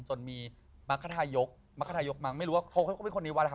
จนมีมรรคทายกมรรคทายกมั้งไม่รู้ว่าเขาก็เป็นคนในวัดแล้วค่ะ